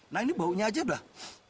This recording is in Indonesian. nah ini baunya aja udah